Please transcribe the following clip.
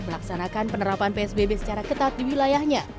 melaksanakan penerapan psbb secara ketat di wilayahnya